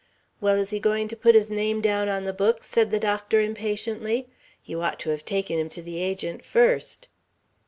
"Well, is he going to put his name down on the books?" said the doctor, impatiently. "You ought to have taken him to the Agent first."